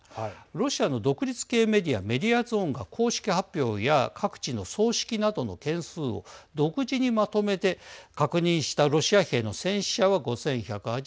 ロシアの独立系メディアメディアゾーンが公式発表や各地の葬式などの件数を独自にまとめて確認したロシア兵の戦死者は５１８５人。